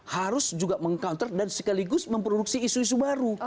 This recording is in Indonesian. harus juga meng counter dan sekaligus memproduksi isu isu baru